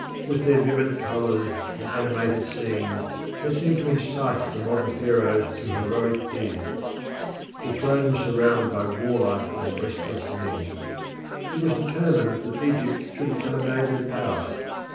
With their vivid colours and animated scenes they seemed to incite the modern Pharaohs to heroic deeds. The throne was surrounded by warlike and restless men. It was determined that Egypt should become a naval power.